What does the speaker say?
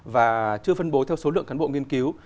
và chưa phân bố theo số lượng cán bộ nghiên cứu